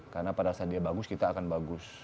karena pada saat dia bagus kita akan bagus